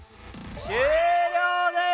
終了です！